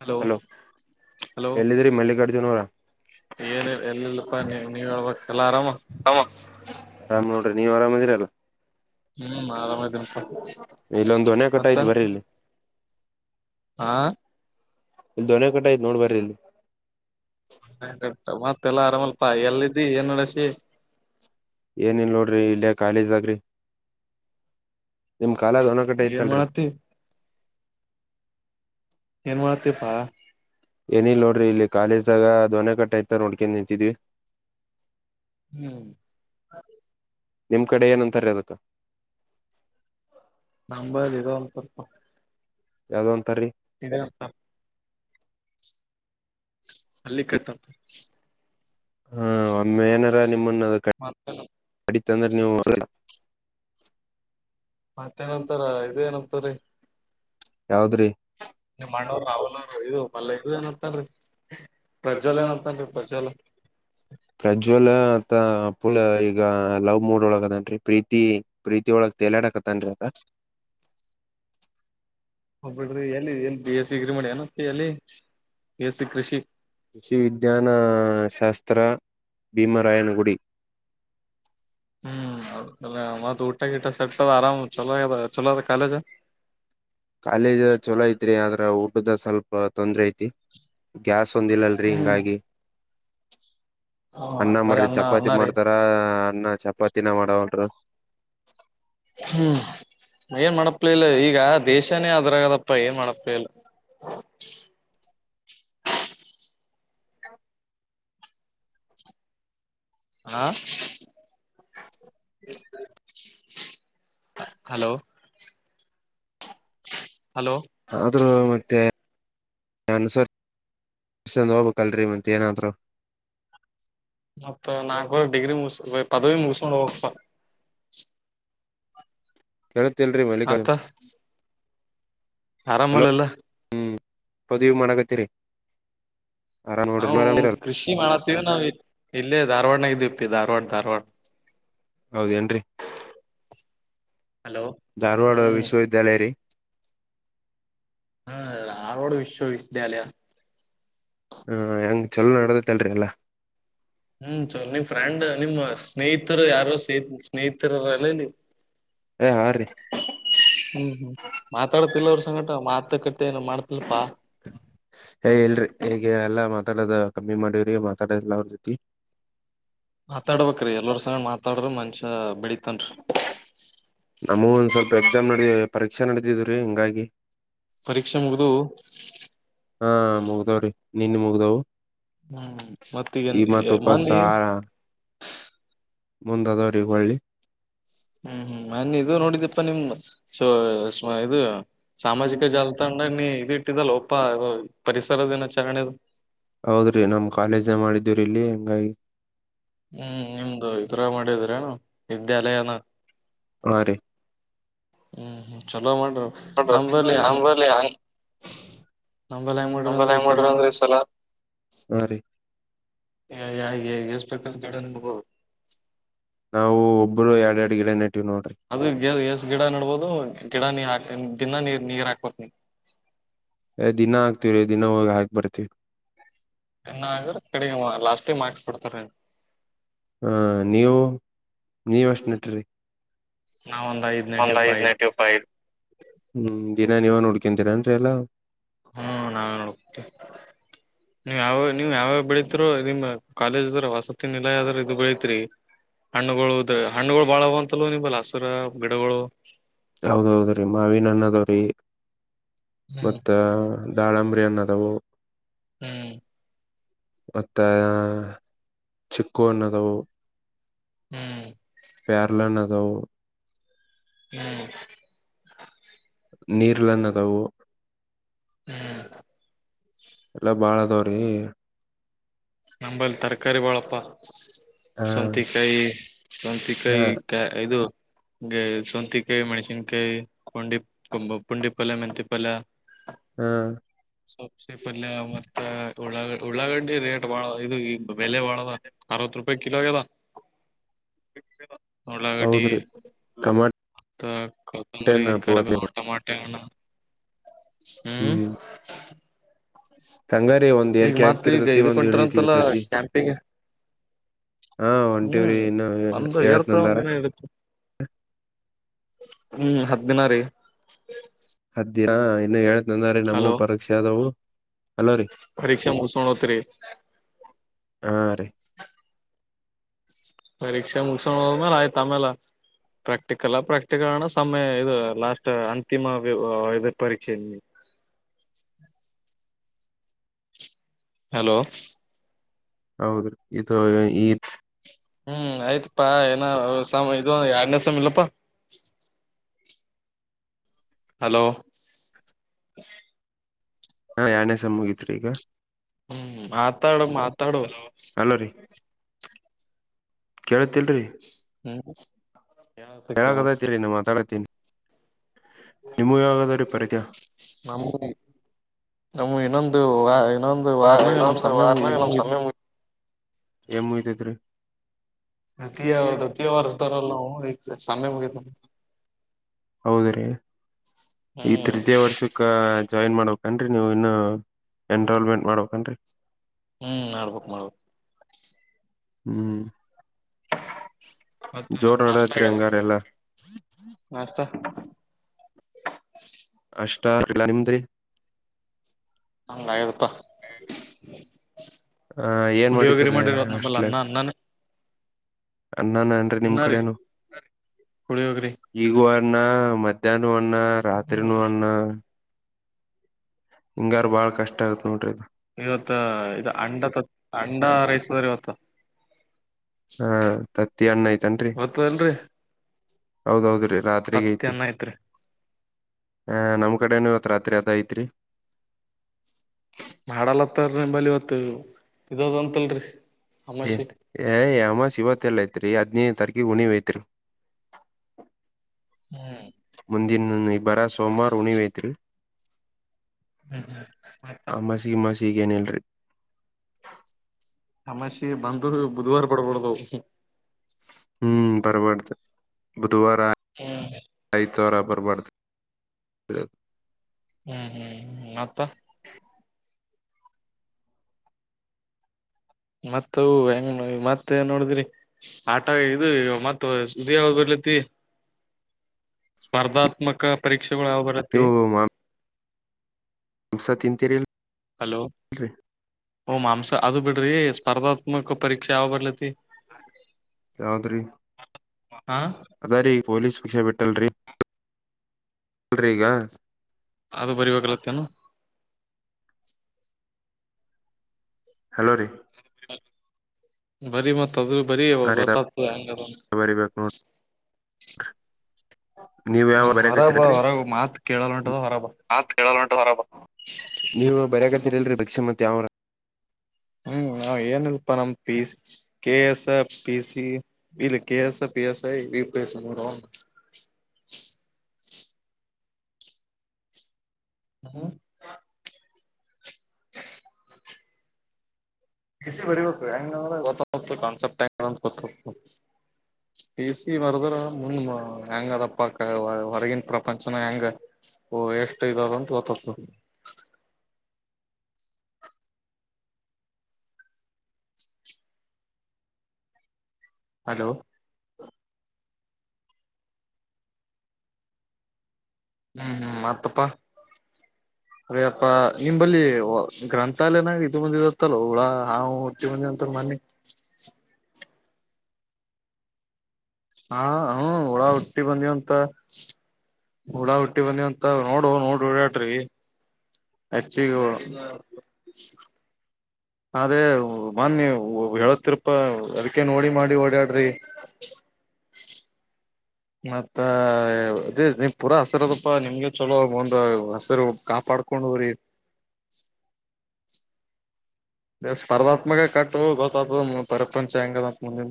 Hello ಎಲ್ಲಿದ್ರಿ ಮಲ್ಲಿಕಾರ್ಜುನ್ ಅವ್ರ ಏನ ಎಲ್ಲಿಲ್ಲಪ್ಪಾ ನೀ ನೀವ ಹೇಳ್ಬೇಕಕ್ ಎಲ್ಲ ಆರಾಮ [unintelligible] ಆಮ್ ನೋಡ್ರಿ ನೀವ್ ಆರಾಮದಿರ ಅಲ್ಲ ಹ್ಮ್ ಆರಾಮ್ದೇನಪ್ಪ ಇಲ್ಲೊಂದು ದೊಣ್ಣೆಕಟ್ತ್ತಾ ಇದೆ ಬರಿ ಇಲ್ಲಿ ಹಾ ಇಲ್ಲಿ ದೊಣ್ಣೆಕಂಟ ಐತೆ ನೋಡ್ ಬರ್ರಿ ಇಲ್ಲಿ ಹಟ್ಟ ಮತ್ತ ಎಲ್ಲಾ ಆರಾಮಲ್ಪ ಎಲ್ಲಿದ್ದಿ ಏನ್ ನಡಸಿ ಏನಿಲ್ಲ ನೋಡ್ರಿ ಇಲ್ಲಯ ಕಾಲೇಜ್ ಆಗ್ಲಿ ನಿಮ್ ಕಾಲದ್ ಒಣ ಗಟೆ ಏನ್ ಐತಲ್ರೀ ಮಾಡತಿ ಏನ್ ಮಾಡತಿಪಾ [unintelligible] ಏನಿಲ್ಲ ನೋಡ್ರಿ ಇಲ್ಲಿ ಕಾಲೇಜ್ ಆಗ ದೊಣ್ಣೆ ಕಟ್ಟೆ ತ್ತ ನೋಡ್ಕನ್ ನಿಂತಿದೀವಿ ಹ್ಮ್ [inaudible] ನಿಮ್ ಕಡೆ ಏನ್ ಅಂತಾರೆ ಅದು ಅಪ್ಪ [unintelligible] ಯಾವದೊಂದು ಇದೆ ಅಂತ ಅಲ್ಲಿ ಕಗ್ಗ ಹಾ ಒಮ್ಮೆ ಏನಾರ ನಿಮ್ಮನ್ನ ಮತ್ತ [unintelligible] [inaudible] ಮತ್ತೇನಂತಾರ ಇದೇನು ಏನತಾರೀ ಯಾವದ್ರಿ ನಿ ಮಾಡ್ಣವ ರಾವಲ್ ಅವ ಇದು ಪಲ್ಲ ಇದದು ಏನತ್ತಾರೀ ಪ್ರಜಲ ಏನಂತಾರಿ ಪ್ರಜಲು ಫುಲ್ ಈಗ ಲವ್ ಮೂಡ್ ಒಳಗ ಅದೇನ್ರಿ ಪ್ರೀತಿ ಪ್ರೀತಿ ಒಳಗ ತೆಲಡಕ್ತ್ ದ [unintelligible] [inaudible] [inaudible] ಹೋಗ್ಬಿಡ್ರಿ ಎಲ್ಲಿ ಬಿ ಎಸ್ ಸಿ ಡಿಗ್ರಿ ಮಾಡಿಯಾನ ಎಲ್ಲಿ ಬಿ ಎಸ್ ಸಿ ಕೃಷಿ ಷಿ ದ್ಯನ ಶಾಸ್ತ್ರ ಉತ್ತರ ಭೀಮರಾಯನಗುಡಿ ಹ್ಮ್ ಹ ಮತ್ತ ಊಟ ಗಿಟ ಸರ್ತದ ಆರಾಮ್ ಚಲೋದ ಚಲೋ ಅದ ಕಾಲೇಜ ಕಾಲೇಜ್ ಜುಲೈ ತ್ರೀ ಆದ್ರೆ ಊಟದ ಸ್ವಲ್ಪ ತೊಂದ್ರೆ ಗ್ಯಾಸ್ ಒಂದಿಲ್ಲಲ್ರಿ ಹ್ಮ್ ಹಿಂಗಾಗಿ. ಹ ಅನ್ನ ಬರಿ ಮಾಡ್ರಿ ಚಪಾತಿ ಅನ್ನ ರೀ ಮಾಡ್ತಾರ ಅನ್ನ ಚಪಾತಿನ ಮಾಡವಲ್ ರ ಹ್ಮ್ ಏನ್ ಮಾಡಪ್ಲಿಲ್ಲ ಈಗ ದೇಶಾನೇ ಅದರಗದಪ್ಪ ಏನ್ ಮಡಪೇಲ್ಲ ಹಾ ಹಲೋ ಹಲೋ ಆದ್ರೂ ಮತ್ತೆ [unintelligible] ನನ್ಸರ್ಸಂದ ಹೋಗ್ಕ್ಲ್ರೀ ಮತ್ ಏನಾದ್ರು ಮತ್ತತ್ ನಾಲ್ಕವ ಡಿಗ್ರಿ ಮುಗ ಪದವಿ ಮುಗಿಸಸ್ಕೊಂಡ್ ಹೋಗಪ ಕೇಳತ್ತಲ್ರಿ ಮಲ್ಲಿಕ ಮತ್ತ ಆರಾಮಲ್ಲಲ್ಲ ಪದವಿ ಮಣಗ ತಿರೆ ನಾವು ಕೃಷಿ ಮಾಡತ್ತೀವಿ ನಾವವು ಇಲ್ಲೇ ಧಾರ್ವಾಡನಾಗಿದೀವಿಪ್ಪಿ ಧಾರ್ವಾಡ ಧಾರ್ವಾಡ ಹೌದೇನ್ರರಿ ಹಲೋ ಧಾರವಾಡ ಹ್ಮ್ ವಿಶ್ವವಿದ್ಯಾಲಯ ರೀ ಹ್ಮ ಆರೋಡ್ ವಿಶ್ವವಿದ್ಯಾಲಯ ಹಾ ಹೆಂಗ್ ಚಲೋ ನಡದತಲ್ಲರಿ ಎಲ್ಲಾ ಹ್ಮ್ ಚಲೋ ನಿಮ್ ಫ್ರೆಂಡ್ ನಿಮ್ ಸ್ನೇಹಿತರು ಯಾರು ಸಹ ಸ್ನೇಹಿತರಲ್ಲ ಹ್ಮ್ ಏ ಹಾ ರೀ ಹ್ಮ್ ಮಾತಾಡ್ತಿಲ್ಲ ಅವ್ರ ಸಂಗಟ ಮಾತ ಏ ಇಲ್ ರೀ ಈಗ ಎಲ್ಲ ಮತ್ತ ಮಾತಾಡದ ಕಮ್ಮಿ ಮಾಡೀವ್ರಿ ಮಾತಾಡದಲ್ಲ ಅವ್ರ ಜೊತಿ ಮಾತಾಡ್ಬೇಕ ರೀ ಎಲ್ಲರ ಸ್ ಮಾತಾಡ್ರ ಮನಷ್ಯ ಬೆಳ ನಮವ ಈಗ ಸ್ವಲ್ಪ ಎಕ್ಸಾಮ್ ನಡದಿದೆ ರೀ ಪರೀಕ್ಷೆ ನಡೆದಿದ ಹಿಂಗಾಗಿ ಪರೀಕ್ಷೆ ಮುಗ್ದವ ಹಾ ಮುಗ್ದಾವ್ರಿ ನಿನ್ನ ಮುಗ್ದವು ಹ್ಮ್ ಈ ಮತ್ತಗನ್ ಮತ್ ಮಂದಿ ಮುಂದಾದವ್ರಿಗೆ ಹೋಳ್ಳಿ ಹ್ಮ್ ಹ್ಮ್ ನನ್ ಇದು ನೋಡಿದಪ್ಪಾ ನಿಮ್ಮ ಸ ಇದು ಸಾಮಾಜಿಕ ಜಾಲತಾಣಧಾಗ ನೀ ಇದ ಇಟ್ಟಿದಲ್ಲ ಒಪ್ಪ ಪರಿಸರ ದಿನಾಚರಣೆದು. ಹೌದ್ರಿ ನಮ್ ಕಾಲೇಜಗ ಮಾಡಿದೀವರಿ ಇಲ್ಲಿ ಹೆಂಗಾಗಿ ಹ್ಮ್ ನಿಮ್ದು ಇದರ ಮಾಡಿದ್ರ ನು ವಿದ್ಯಾಲಯನ ಹಾ ರೀ ಹ್ಮ್ ಚಲೋ ಮಾಡ್ರಿ ನಂಬಲಿ ಹ್ಮ ನಮ್ದ್ ಹೆಂಗ ಮಡ್ಯಾರ್ ಅಂದ್ರ ಇ ಸಲ ಹಾರಿ ಹ ಎಷ್ಟ ಬೇಕ ಗಡನತಗೋ ನಾವು ಒಬ್ಬರು ಎರಡು ಎರಡು ಗಿಡ ನೆ ಅದು ಗಿ ಎಸ್ ಗಿಡ ನೆಡ್ಬೋದು ಗಿಡ ನೀ ಹಾ ದಿನಾ ನೀರ್ ನೀರ್ ಹಾಕ್ಬೇಕು ನೀವು ಹೇ ದಿನಾ ಆಕ್ತಿವಿ ದಿನ ಹೋಗಿ ಹಾಕಿ ಬರ್ತಿವಿ ಇನಾ ಆದ್ರ ಕಡಿಗ ಲಾಸ್ಟೇಗಿ ಮಾರ್ಕ್ಸ್ ಕೊಡ್ತಾರ ಹಾ ನೀವು ನೀವು ಎಷ್ಟು ನೆಟ್ರಿ ನಾವ್ ಒಂದ್ ಐದ್ ಒಂದ್ ನೆಟಿವಪ ಐದ್ ನೇಟಿವ್ ಫೈವ್ ಹ್ಮ ದಿನ ನೀವ ನೋಡು ಕುಡಿಕಂದನ್ ಎಲ್ಲ ಹ್ಮ್ ನಾವೇ ಹೋಗ್ತಿವಿ ನೀವ್ ಯಾವ ನೀವ್ ಯಾವ್ಯಾವ ಬೆಳಿತೀರೋ ನಿಮ್ಮ ಕಾಲೇಜ್ರ ವಸತಿ ನಿಲಯದರ್ ಇದು ಬೆಳೀತ್ರಿ ಹಣ್ಣುಗಳು ಉದ್ರ ಹಣ್ಣುಗಳು ಬಾಳ ಅದಾವ್ ಅಂತಲೂ ನಿಂಬಲ್ಲ ಹಸಿರ ಗಿಡಗಳು ಹೌದು ಹೌದ್ರಿ ಮಾವಿನ ಹಣ್ಣು ಅದಾವ್ರಿ ಹ್ಮ್ ಮತ್ತ ದಾಳಂಬರಿ ಹಣ್ಣ ಅದವು ಹ್ಮ್ ಮತ್ತ ಚಿಕ್ಕು ಹಣ್ಣು ಅದಾವು ಹ್ಮ್ ಪ್ಯಾರಲ್ಲ ಅಣ್ಣು ಅದಾವು ಹ್ಮ್ ನಿರ್ಲಣ್ಣ ಅದಾವು ಹ್ಮ್ ಎಲ್ಲಾ ಬಾಳ ಅದವ್ರೀ ನಂಬಲ್ಲಿ ತರಕಾರಿ ಬಾಳಪ್ಪ ಹಾ ಸೊಂತಿಕಾಯಿ ಹಾ ಸೊಂತಿಕಾಯಿ ಇದು ಸೊಂತಿಕಾಯಿ ಮೆಣಸಿನ್ಕಾಯಿ ಪಂಡಿ ಪುಂಡಿ ಪಲ್ಲೆ ಮೆಂತಿ ಪಲ್ಲೆ ಹಾ ಸಬ್ಸಿ ಪಲ್ಲೇ ಮತ್ತ ಉಳಾ ಉಳಗಡ್ಡಿ ರೇಟ್ ಬಾಳ ಇದು ಈ ಬೆಲೆ ಬಾಳದ ಅರವತ್ ರೂಪಾಯಿ ಕಿಲೋ ಅದ ಉಳ್ಳಾಗಡ್ಡಿ ಹೌದ್ರಿ ಟಮಾಟೆ ಮತ್ತ ಕೊತ್ತಂಬರಿ ಹಣ್ಣ ಕರಿಬೇವ ಪೂರ ಟಮಾಟಿ ಹಣ್ಣ ಹ್ಮ್ ಹಂಗಾರಿ ಒಂದ್ ಈಗ ಏರ್ಕೆ ಮತ್ ಈಗ ಹಾಕಿರ್ತತಿ ಇದಕ ಒಂದ್ ಇಳಿ ಹೊಂಟಾರತಲ್ಲ ಇಳ್ತತಿ ಕ್ಯಾಂಪಿಗೆ ಹಾ ಹೂ ಹೊಂಟಿವ್ರಿ ಇನ್ನು ಒಂದಿನಾ ಏರ್ತಾದ ಹೇಳತ್ನಂದಾರ ಒಂದಿನಾ ಇಳಿತಾದ ಹೂ ಹತ್ತು ದಿನ ರೀ ಅದಿ ಇನ್ನು ಹೇಳ್ತಂದ್ರೀ ನಮವು ಪರೀಕ್ಷೆ ಅದವು ಪರೀಕ್ಷಾ ಮುಗಸ್ಕೊಂಡು ಹೋಗ್ತೀರಿ ಹಾ ರೀ ಪರೀಕ್ಷೆ ಮೂಗಸಗೊಂಡು ಹೋದ್ಮೇಲೆ ಆಯಿತು ಆಮೇಲೆ ಪ್ರಾಕ್ಟಿಕಲಾ ಪ್ರಾಕ್ಟಿಕಲ್ಣ ಸಮಯ ಇದು ಲಾಸ್ಟ್ ಅಂತಿಮ ಇದು ಪರೀಕ್ಷೆ ಹಲೋ ಹೌದು ರೀ ಇದು ಈದ್ ಹ್ಮ್ ಆಯ್ತಪಾ ಏನ ಸಮ ಇದು ಎರಡ್ನೇ ಸೇಮ್ಮ್ ಇಲ್ಲಪ್ಪಾ ಹಲೋ ಹಾ ಯಾಡನೇ ಸೇಮ್ಮ್ ಮುಗತ್ರಿ ಈಗ ಹ್ಮ್ ಮಾತಾಡು ಮಾತಾಡು ಅಲೋ ರೀ ಕೇಳತಿಲ್ರಿ ಹ್ಮ್ ಕೇಳತ ಕೇಳತ ಕೇಳಾಕತೈತ್ರಿ ನಾ ಮಾತಾಡಾಕತ್ತೀನಿ ನಿಮ್ಮೂವು ಯಾವಾಗ ಅದಾವ್ರಿ ಪರೀಕ್ಷೆ ನಮ್ಮ ಇನ್ನೊಂದು ವಾರ ಏನ್ ಇನ್ನೊಂದು ವಾರನ್ಯಾಗ ನಮ್ಮ ಇನ್ನೊಂದು ಸಮ್ಮೇ ವಾರನಾಗ ಇದು ನಮ್ ಸಮಯ ಮುಗಿತಾದ ಮುಗಿ ಏನ್ ಮುಗಿತೈತ್ರಿ ದ್ವಿತೀಯ ದ್ವಿತೀಯ ವರ್ಷದರಲ್ಲ ಸಮ್ಮೇ ಮುಗೆತ ಹೌದ್ರೀ ಈ ಹ್ಮ್ ತಯ ವರ್ಷಕ್ಕ ಜಾಯಿನ್ ಮಾಡಕ್ನ್ಿ ನೀವು ಇನ್ನು ಎನ್ರಾಲ್ಮೆಂಟ್ ಮಾಡಕ್ನ್ರಿ ಹ್ಮ್ ಮಾಡಡ್ಬೇಕುಕ್ ಮಾಡ್ಬಕ್ ಹ್ಮ್ ಮತ್ತೆ ಜೋರ್ ನಾಷ್ಟ ನಡದತ್ರಿ ಆಲ್ಲ ಹಂಗಾರ ಎಲ್ಲಾ ನಾಷ್ಟ ಅಷ್ಟ ಪಲಾ ನಿಮದ್ರಿ ಹಂಗ ಇರುತ್ತಾ ಆ ಏನ್ ಪುಲಿಿಯ ವಗೇ ಮಾಡಿದ್ರಿ ಮಾಡತ ನಲ್ಲ ಅಣನ್ನ ಅಣ್ಣ ಅ್ಣನ ಏನ್ರಿ ನಿಮ್ ಕಡೆನು ಪುಳಿಯೋಗರಿ ಈಗ ಅನ್ನ ಮಧ್ಯಾಹ್ ಅಣ ರತ್ರಿ ಹ್ಮ್ ನ ಅಣ್ಣ ಹಿಂಗಾರ ಬಾಳ್ ಕಷ್ಟ ಆಗತ್ ನೋಡ್ರಿ ಇದು ಇವತ್ ಇ ಅಂಡ ಅಂಡ ರೈಸದ್ರ ಇವತ್ತ ಹಾ ತತ್ತಿ ಅಣ್ಣ ಐ್ತನ್ರಿ ಹೌದೌದ್ರಿ ರಾತ್ರಿಗ ತತ್ತ ಐತಿ ಅನ್ನ ಐತ್ರಿ ಹ ನಮ್ ಕಡೆನು ಇವತ್ ರಾತ್ರಿ ಅದ ಐತ್ರಿ ಮಾಡಾಲ್ಲತ್ತ ನೀನ ಬಲಿ ಇವತು. ಏ ಏ ಅಮಾಸಿ ಇವತ್ತಲ್ಲಿ ಎಲ್ಲ ಐತ್ರಿ ಅದ್. ತರಕಿ ಉಣಿ ವತರು ಹ್ಮ್ ಹಂದಿಿನ ಇಬ್ಬರಾ ಸೋಮಾರ್ ಉಣಿವೇತ್ಲ್ ಹ್ಮ್ ಅಮ್ಮಸಿಗಮ್ಮಸಿ ಈಗ ಏನಲ್ರರಿ ಹಮ್ಮಷಿ ಬಂದರು ಬುಧವಾರ ಬಡ್ಬಡ್ದೋಗ ಹ್ಮ್ ಬರ್ಬಾರ್ದು ಬುಧವಾರ ಹ್ಮ್ ಐತವಾರ ಬ ಕೊ ಮಾಡ ಸ ಹ್ಮ್ ಹ್ಮ್್ಮ ಮತ್ತ ಮತ್ತು ಹೆಂಗ ಮತ್ತ ಏನ ನೋಡಿದ್ರಿ ಆಟ ಇ ಮತ್ ಸುದಿಯ ಬರ್ಲಿ. [unintelligible] ಸ್ಪರ್ಧಾತ್ಮಕ ಪರೀಕ್ಷೆಗಳು ಯಾವ ಬರಾತಿ. ದೂಸ್ ತಿಂತಿರಿಲ. ಹಲೋ ಹೂ ಮಾಂಸ ಅದು ಬಿಡ್ರಿ ಸ್ಪರ್ಧಾತ್ಮಕ ಪರೀಕ್ಷೆ ಯಾವ ಬರೀಲಾತಿ. ಯಾವದ್ರಿ ಹಾ ಅದ ರೀ ಪೊಲೀಸ್ ವಿಷ ಬಿಟ್ಟ. [unintelligible] ಈಗ. ಅದ ಬರಿಬೇಕಲತ್ತೇನು. ಹಲೋ ರೀ. ಬರಿ ಮತ್ ಅದು ಬರಿ ಹಾ ರೀ ಗೊತ್ತ್ತದ ಹಂಗ ಅದ. ಬರಿಬೇಕ್ ನೋಡ್ರಿ [inaudible] ನೀವ್ ಯಾವ ಹ್ಮ್ ಹೊರಬ ಬರ್ಯಾಕತ್ತೀರೇನ್ರಿ ಹೊರಗ ಮಾತ್ ಕೇಳಲ್ ಹೊಂಟದ ಹೊರಬ ಆತ. [unintelligible] [unintelligible] ನೀವು ಬರೆಯಾಕತ್ತಿರಿಲರಿ ಭಿಕ್ಷಿ ಮತ್ ಯಾವ್ ಅರ. ಹ್ಮ. ನಾವು ಏನಲ್ಪ್ಪಾ ನಮ್ P K A S P C E K S PS I. UPSC ನೋಡೋ. ಹ್ಮ. ಪಿ ಸಿ ಬರಿಬೇಕ್ ಹೆಂಗ್ ಅಂದರ್ ಗೊತ್ತ ಅಗತದ ಕಾನ್ಸೆಪ್ಟ್ ಹೆಂಗ ಅಂತ ಗೊತ್ ಆಗ್ತದ. ಪಸಿ ಬರದರನ ಮುಂದ ಮ ಹೆಂಗ ಅದಪ್ಪಾ ಹೊರಗಿನ ಪ್ರಪಂಚನ ಹೆಂಗ. ಓ ಎಷ್ಟ ಇದು ಅದಾವ ಅಂತ ಗೊತ್ತ ಅಗತದ. ಹಲೋ. ಹ್ಮ್ ಹ್ಮ್ ಮತ್ತಪ್ಪಾ. ಅಯ್ಯಪ್ಪ ನಿಂಬಲ್ಲಿ ಗ್ರಂಥಾಲಯನಾಗ ಇದು ಬಂದಿದು ಅಂತ ಅಲೋ ಹುಳ ಹಾವು ಹುಬಟಿ ಬಂದಿದ್ದು ಅಂತ. [unintelligible] [unintelligible] ಹಾ ಹ್ಮ ಹೊಳ ಹುಟ್ಟಿ ಬಂದಿದ್ದು ಅಂತ. ಹುಳ ಹುಟ್ಟಿ ಬಂದಿದ್ದು ಅಂತ ನೋಡು ನೋಡಿ ಓಡಾಡ್ರಿ. [unintelligible] ಅದೇ ಮೊನ್ನೆ ಹೇಳತಿರಪ್ಪಾ ಅದಕ್ಕೆ ನೋಡಿ ಮಾಡಿ ಓಡಾಡ್ರಿ. [inaudible] ಮತ್ತ [unintelligible] ಪುರಾ ಹಸಿರ ಅದಪ್ಪಾ ನಿಮ್ಗೆ ಚಲೋ ಒಂದ್ ಹಸಿರು ಕಾಪಾಡ್. ಕೊಂಡ ಹೋರಿ. ಏ ಸ್ಪರ್ಧಾತ್ಮಕ ಕಟ್ಟೋ ಗೊತ್ತ ಅತದ ಪ್ರಪಂಚ ಹೆಂಗಂದ ಅಂತ ಮುಂದಿದ್ದ.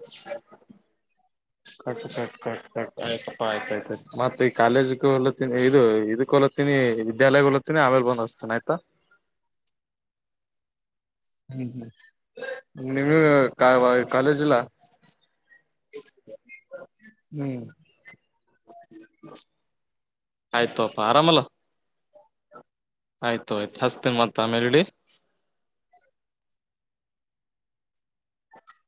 [unintelligible] ಕಟ್ ಕಟ್ ಕಟ್ ಕಟ್ ಆಯ್ತಪ್ಪಾಯ್ತ ಆಯ್ತತ್ ಮತ್ತ ಈ ಕಾಲೇಜ್ ಕ ಹೊಲತಿದಿ ಇದು ಇದಕ್ ಹೊಲತ್ತೀನಿ. ಏ ವಿದ್ಯಾಲಯ ಹೋಲತೀನಿ ಆಮೇಲೆ ಬಂದ್ ಹೆಚ್ಚತೀನಿ ಆಯ್ತಾ. ಹ್ಮ್ ಹ್ಮ್ ನಿಮಗ ಕಾಲೇಜ್ ಇಲ್ಲ. ಹ್ಮ್. ಆಯ್ತು ತೊಗೊಪ್ಪಾ ಆರಾಮಲ್ಲ. ಆಯ್ತ ತೊಗೊ ಆಯ್ತ ಹಚ್ಚುತ್ತೇನ ಮತ್ತ ಆಮೇಲೆ‌ ಇಡ್ಲಿ. [inaudible]